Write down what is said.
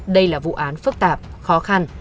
đây là vụ án phức tạp khó khăn